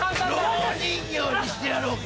蝋人形にしてやろうか！